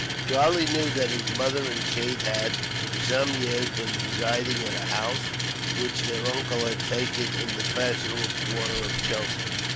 Charlie knew that his mother and Kate had, for some years, been residing at a house which their uncle had taken, in the fashionable quarter of Chelsea.